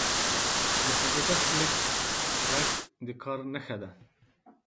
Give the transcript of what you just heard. • د کمپیوټر کلیک ږغ د کار نښه ده.